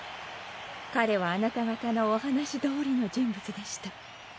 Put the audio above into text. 彼はあなた方のお話通りの人物でした。